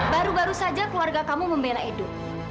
baru baru saja keluarga kamu membela edu